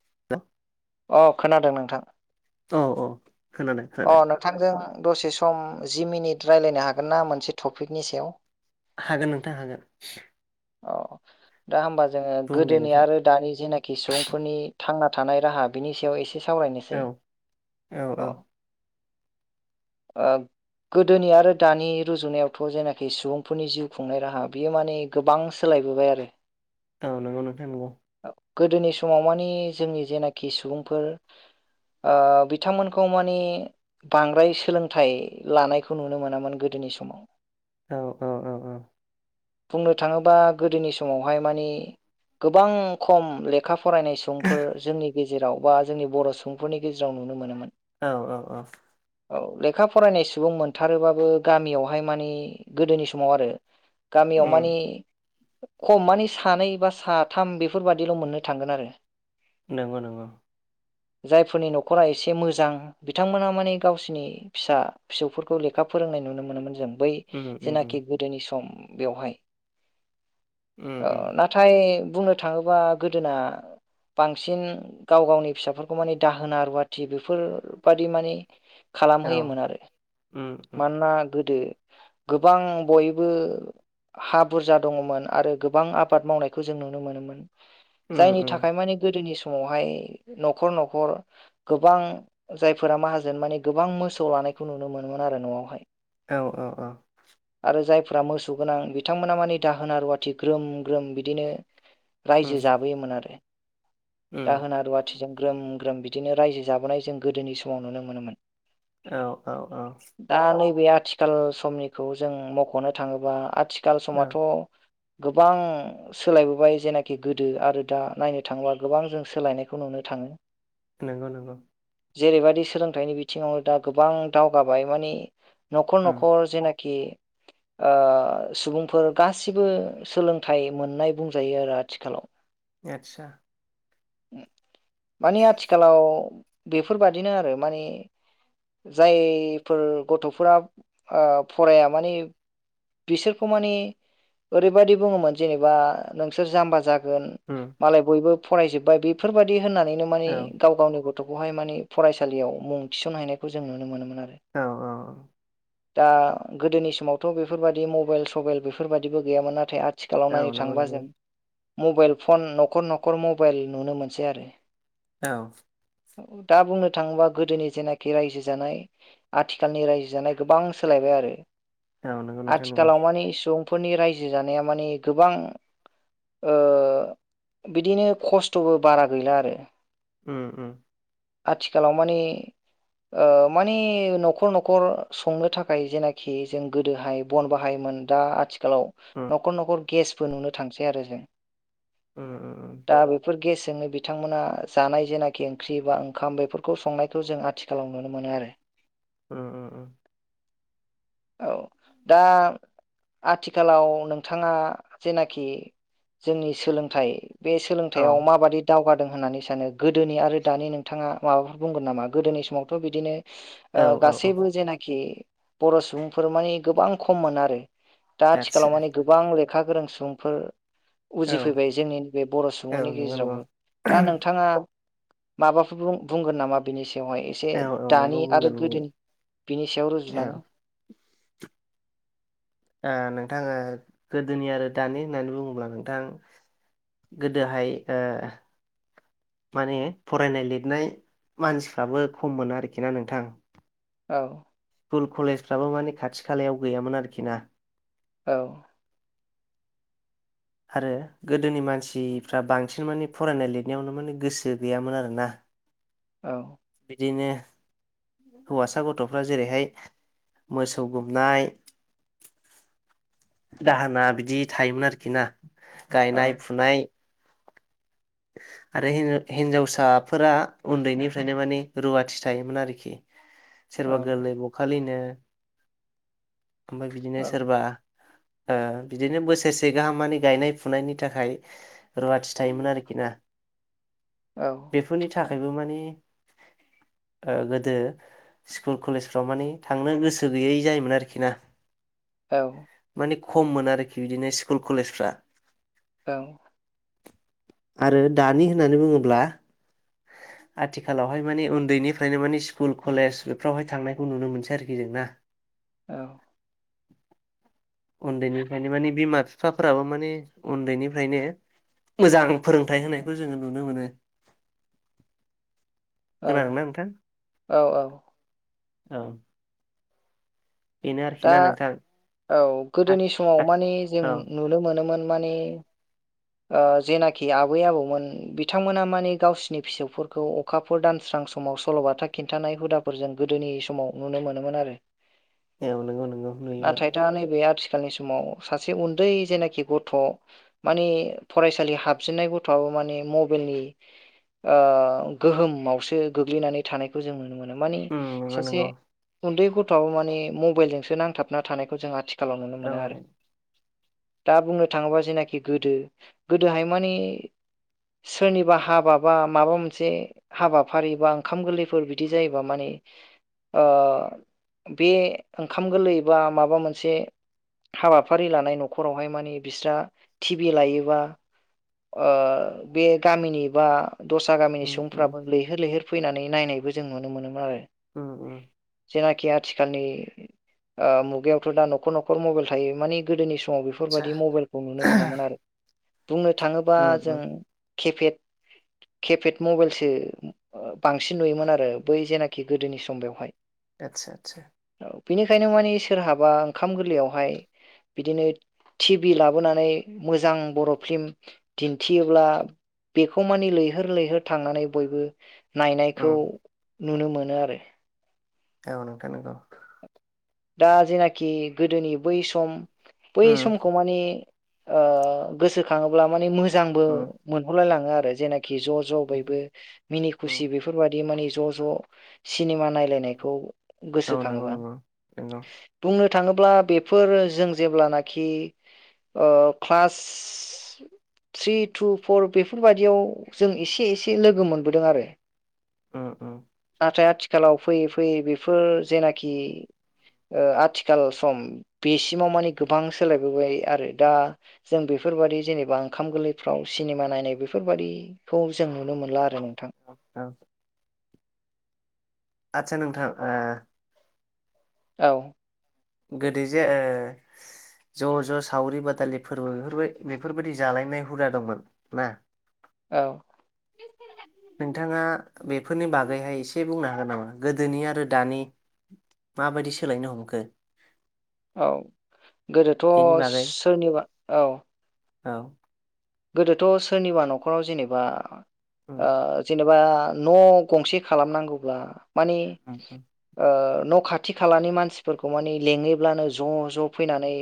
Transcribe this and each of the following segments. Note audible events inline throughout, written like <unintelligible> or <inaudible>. <inaudible> अ खोनादों नोंथां औ औ खोनादों अ खोनादों नोंथांजों दसे सम जि मिनिट राय्लायनो हागोन ना मोनसे टपिकनि सायाव हागोन नोंथां हागोन औ दा होमबा जोङो बुं दे गोदोनि नोंथां आरो दानि जेनाखि सुबुंफोरनि थांना थानाय राहा बेनि सायाव एसे सावरायनोसै औ औ ओ गोदोनि आरो दानि रुजुनायावथ' जेनाखि सुबुंफोरनि जिउ खुंनाय राहा बियो माने गोबां सोलाय बोबाय आरो। औ नंगौ नोंथां नंगौ। गोदोनि समाव माने जोंनि जेनाखि सुबुंफोर ओ- बिथांमोनखौ माने। बांद्राय सोलोंथाइ लानायखौ नुनो मोनामोन गोदोनि समाव। औ औ औ औ बुंनो थाङोबा गोदोनि समावहाय माने गोबां खम लेखा। फरायनाय सुबुंफोर जोंनि गेजेराव बा जोंनि बर सुबुंफोरनि गेजेराव नुनो मोनोमोन। औ औ औ औ लेखा फरायनाय सुबुं मोनथारोबाबो गामियावहाय माने गोदोनि समाव आरो। गामियाव उम माने। खम माने सानै बा साथाम बेफोरबादिल मोननो थांगोन आरो नंगौ नंगौ। जायफोरनि नखरा एसे मोजां। बिथांमोनहा माने गावसिनि फिसा फिसौफोरखौ लेखा फोरोंनाय नुनो मोनोमोन जों। बै उम उम उम जेनाखि गोदोनि सम बेवहाय। उम उम ओ-नाथाय बुंनो थाङोबा गोदोना। बांसिन गाव गावनि फिसाफोरखौ माने दाहोना रुवाथि बेफोर। बादि माने औ खालामहोयोमोन आरो उम उम मानोना गोदो। गोबां बयबो। हा बुरजा दङमोन आरो गोबां आबाद मावनायखौ जों नुनो मोनोमोन। उम जायनि उम थाखाय माने गोदोनि समावहाय नखर नखर गोबां। जायफोरा माहाजोन माने गोबां मोसौ लानायखौ नुनो मोनोमोन आरो नआवहाय। औ औ औ। जायफ्रा मोसौ गोनां बिथांमोना माने दाहोना रुवाथि ग्रोम ग्रोम बिदिनो। उम रायजो जाबोयोमोन आरो उम दाहोना रुवाथिजों ग्रोम ग्रोम बिदिनो। रायजो जाबोनाय जों गोदोनि समाव नुनो मोनोमोन। औ औ औ बे आथिखाल समनिखौ जों मखनो थाङोबा आथिखाल औ समाथ गोबां सोलायबोबाय जेनाखि गोदो आरो दा नायनो थाङोबा गोबां जों सोलायनायखौ नुनो था ङो नोंगौ नोंगौ जेरैबायदि सोलोंथाइनि बिथिङावनो दा गोबां दावगाबाय मानि नखर उम नखर जेनाख खि ओ-सुबुंफोर गासिबो सोलोंथाइ मोननाय बुंजायो आरो आथिखालाव। एतसा। ओम माने आथिखालाव बेफोरबादिनो आरो माने। जायफोर गथ'फोरा ओ- फराया माने। बिसोरखौ माने ओरैबायाददि बुङोमोन जेनेबा नोंसोर जाम्बा जा गोन उम मालाय बयबो फरायजोबबाय बेफोरबायाददि होननानैनो मानि औ गाव गावनि गथ गथखौहाय माने फरायसालियाव मुं थिसनहायनायखौ जों नुनो मोनोमोन। आरो औ औ औ दा गोदोनि समावथ बेफोरबादि मबाइल सबाइल बेफोरबायाददिबो गैयामोन नाथाय। आथिखालाव औ नायनो नंगौ थाङोबा नंगौ जों मबाइल फन न'खर न'खर मबाइल नुनो मोनसै आरो। औ दा बुंनो थाङोबा गोदोनि जेनाखि रायजो जानाय आथिखालनि रायजो जानाय गोबां सोलायबाय। आरो औ नंगौ नोंथां नंगौ आथिखालाव माने सुबुंफोरनि रायजो जानाया माने गोबां। ओ- बिदिनो खस्थबो बारा गैला आरो। ओम ओम आथिखालाव माने। ओ माने न'खर न'खर संनो थाखाय जेनाखि जों गोदोहाय बन बाहाय म मोन दा आथिखालाव उम न'खर न'खर गेसबो नुनो थांसै आरो जों। उम दा बेफोर गेसजोंनो बिथांमोना जानाय जेनाख खि ओंख्रि बा ओंखाम बेफोरखौ संनायखौ जों आथिखालाव नुनो मोनो आरो उम उम उम औ दा आथिखालाव नोंथाङा जेनाखि जोंनि सोलोंथाइ बे औ सोलोंथायआव माबादि दावगादों होननानै सानो गोद दोनि आरो दानि नोंथाङा माबाफोर बुंगोन नामा? गोदोनि समावथ बिदिनो औ ओ औ औ गासैबो जेनाखि बर' सुबुंफोर माने गोबां खममोन आरो दा आदसा आथिखालाव माने गोबां लेखा गोरों सुबुंफोर औ उजिफैबाय जोंनि बे बर' औ सुबुंनि नंगौ नंगौ गेजेरावबो दा नोंथाङा माबाफोर बुं बुंगोन नामा बेनिस बेवहाय एसे औ औ दानि नंगौ आरो बुंगोन बुंगोन गोदोनि बिनि सायाव औ रुजुनानै ओ नोंथां ओ गोदोनि आरो दानि होननानै बुङोब्ला नोंथां गोदोहाय ओ माने फरायनाय लिरनाय मानसिफ्राबो खम मोन आरोखि ना नोंथां। औ स्कुल कलेजफ्राबो माने खाथि खालायाव गैयामोन आरोखि ना औ आरो गोदोनि मानसिफ्रा बांसिन माने फरायनाय लिरनायावनो माने गोसो गैयामोन आरोना औ दिनो हौवासा गथ'फ्रा जेरैहाय मोसौ गुमनाय दाहोना बिदि थायोमोन आरोखि ना गायनाय औ फुनाय <inaudible> आरो हिन हिनजावसाफोरा उन्दैनिफ्रायनो माने रुवाथि थायोमोन आरोखि सोरबा औ गोरलै बखालिनो ओमफाय बिदिनो औ सोरबा ओ बिदिनो बोसोरसे गाहामानि गायनाय फुनायनि थाखाय रुवाथि थायोमोन आरोख खिना औ बेफोरनि थाखायबो माने ओ गोदो स्कुल कलेजफ्राव माने थांनो गोसो गैयै जायोमोन आरोखि ना औ नि खममोन आरोखि बिदिनो स्कुल कलेजफ्रा औ आरो दानि होननानै बुङोब्ला <inaudible> आथिखालावहाय माने उन्दैनिफ्रायनो माने स्कुल कलेज बेफ्रावहाय थांनायखौ नुनो मोनसै आरोखि जों ना औ उन्दैनिफ्रायनो माने बिमा बिफाफोराबो माने उन्दैनिफ्रायनो मोजां फोरोंथाइ होनायखौ जोङो नुनो मोनो। औ खोनादोंना नोंथां औ औ औ बेनो आरोखि दा ना नोंथां औ गोदोनि समाव माने जों औ नुनो मोनोमोन माने ओ जेनाखि आबै आबौमोन बिथांमोना माने गावसिनि फिसौफोरखौ अखाफोर दानस्रा सां समाव सल'बाथा खिन्थानाय हुदाफोरजों गोदोनि समाव नुनो मोनोमोन आरो औ नंगौ नंगौ नुयोमोन नाथाय दा नैबे आथिख खालनि समाव सासे उन्दै जेनाखि गथ' माने फरायसालि हाबजेननाय गथ'आबो माने मबेलनि ओ गोहोमावसो गोग्लैनानै थानायखौ जों नुनो मोनो माने उम नंगौ सासे नंगौ उन्दै गथ'आबो माने मबाइलजोंसो नांथाबना थानायखौ जों आथिख खालाव नुनो औ मोनो आरो दा बुंनो थाङोब्ला जेनाखि गोदो गोदोहाय माने सोरनिबा हाबा बा माबा मोनसे हाबाफारि बा ओंखाम गोरलैफोर बिदि जायोबा माने ओ बे ओंखाम गोरलै बा माबा मोनसे हाबाफारि लानाय न'खरावहाय माने बिस्रा टि भि लायो बा ओ बे गामिनि बा दस्रा गामिनि उम उम सुबुंफ्राबो लैहोर लैहोर फैनानै नायनायबो जों नुनो मोनोमोन आरो। ओम ओम। जेनाखि आथिखालनि ओ मुगायावथ' दा न'खर न'खर मबाइल थायो माने गोदोनि सम समाव आतसा बेफोरबादि मबाइलखौ नुनो मोनामोन आरो बुंनो थाङोबा उम जों उम खेफेद खेफेद मबाइलसो बांसिन नुयोमोन आरो बै जेनाखि गोदोनि सम बेवहाय। आतसा आतसा। औ बेनिखायनो मानि सोरहाबा ओंखाम गोरलैयावहाय बिदिनो थि भि लाबोनानै मोजां बर' फिल्म दिन्थियोब्ला बेखौ मानि लैहोर लैहोर थांनानै बयबो नायनायखौ उम नुनो मोनो आरो। औ नोंथां नंगौ। दा जेनाखि गोदोनि बै सम बै उम समखौ माने ओ गोसोखाङोब्ला माने मोजांबो उम मोनहरलायलाङो आरो जेनाख खि ज' ज' उम बयबो मिनि खुसि उम बिफोरबादि माने ज' ज' सिनिमा नायलायनायखौ गोसोखाङोबा। नोंगौ। बुंनो थाङोब्ला बेफोर जों जेब्लानाखि ओ ख्लास थ्रि टु फ'र बेफोरबायाददियाव जों एसे एसे लोगो मोनबोदों आरो। ओ ओ। थाय आथिखालाव फैयै फैयै बेफोर जेनाखि ओ आथिखाल सम बेसिमाव माने गोबां सोलायबोबाय आरो दा जों बेफ फोरबादि जेनेबा ओंखाम गोरलैफ्राव सिनेमा नायनाय बेफोरबादिखौ जों नुनो मोनला आरो नों <unintelligible> आदसा नोंथां ओ औ गोदो जे ओ ज' ज' सावरि बादालि फोरबो बेफोरबाय बेफोरबायदि जालायनाय हुदा दंमोन ना? औ नोंथाङा बेफोरनि बागैहाय एसे बुंनो हागोन नामा गोदोनि आरो दानि माबायदि सोलायनो हमखो? औ बेनि गोदोथ' बागै सोरनिबा औ। औ गोदोथ' सोरनिबा न'खराव जेनेबा उम ओ जे एबा न' गंसे खालामनांगौब्ला माने औ ओ न' खाथि खालानि मानसिफोरखौ माने लिङोब्लानो ज' ज' फैनानै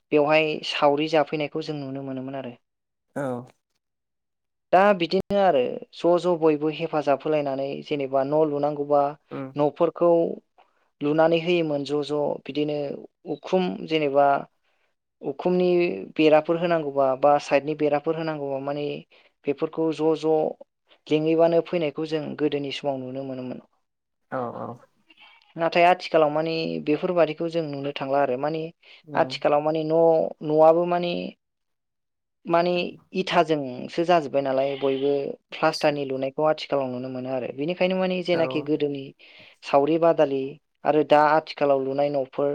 बेवहाय सावरि जाफैनायखौ जों नुनो मोनोमोन आरो। औ। दा बिदिनो आरो ज' ज' बयबो हेफाजाब होलायनानै जेनेबा न' लुनांगौ। बा उम न'फोरखौ लुनानै होयोमोन ज' ज' बिदिनो उखुम जेनेबा उखुमनि बेराफोर होनांगौबा बा साइदनि बेराफोर होनांगौबा माने बेफोरखौ ज' ज' जेहैबानो फैनायखौ जों गोदोनि समाव नुनो मोनोमोन। औ औ। नाथाय आथिखालाव माने बेफोरबादिखौ जों नुनो थांला आरो माने उम आथिखालाव माने न' न'आबो माने माने इथाजोंसो जाजोब्बाय नालाय बयबो आदसा प्लास्टारनि लुनायखौ आथिखाल खालामाव नुनो मोनो आरो बेनिखायनो माने औ जेनाखि गोदोनि सावरि बादालि आरो दा आथिखालाव लुनाय न'फोर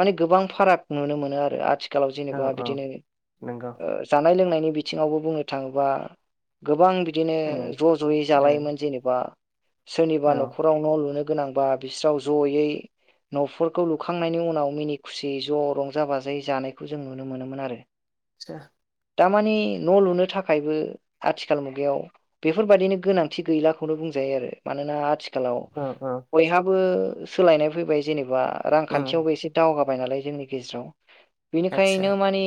माने गोबां फाराग नुनो मोनो आरो आथिखालाव औ जेनेबा औ बिदिनो नंगौ जानाय लोंनायनि बिथिंङावबो बुंनो थाङोबा गोबां बिदिनो उम उम ज' ज'यै औ जालायोमोन जेनेबा सोरनिबा न'खराव न' लुनो गोनांबा बिसोराव जयै न'फोरखौ लुखांनायनि उनाव मिनि खुसियै ज' रंजा बाजायै जानायखौ जों नुनो मोनोमोन आरो। आ <inaudible> दा मानि न' लुनो थाखायबो आथिखाल मुगायाव बेफोर बायदिनो गोनांथि गैलाखौनो बुंजायो। जायो आरो‌ मानोना आथि आथिखालाव औ औ बयहाबो सोलायनाय फैबाय जेनेबा उम रांखान्थियावबो एसे दावगाबाय जाबाय नालाय जोंनि गेजेराव आदसा बिनिखायनो माने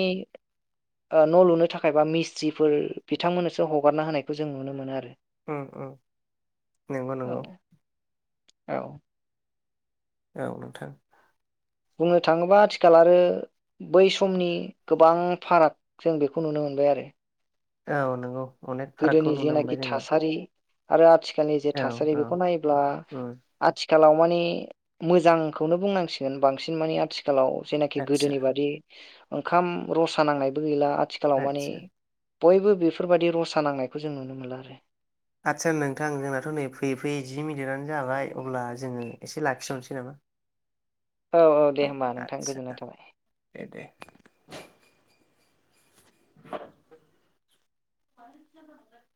न' लुनो थाखाय बा मिस्ट्रिफोर बिथांमोननोसो हगारना होनायखौ जों नुनो मोनो आरो। उम नंगौ औ नांगौ। औ। औव नोंथां। बुंनो थाङोब्ला आथिखाल आरो बै समनि गोबां फाराग जों बेखौ नुनो मोनो। थबाय आरो। औ नंगौ। अनेक फारागखौ गोदोनि नुनो जेनाखि मोनबाय जोङो थासारि आरो आथिखालनि जे औ थासारि औ बेखौ नायोब्ला उम आथिखाल आथिखालाव माने मोजांखौनो बुंनांसिगोन बांसिन माने आथिखालाव जेनाखि आदसा गोदोनि बादि ओंखाम रसा नांनायबो गैला आथिखालाव मानिे आदसा बयबो बेफोरबायदि रसा खानांनायखौ जों नुनो मोनला आरो। आदसा नोंथां जोंनाथ' नै फैयै फैयै जि मिनिटआनो जाबाय अब्ला जोङो एसे लाखिथनोसै नामा? औ औ दे होमबा नोंथां आदसा गोजोननाय थाबाय। दे दे बलिथिो <unintelligible>